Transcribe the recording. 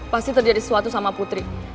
pasti terjadi sesuatu sama putri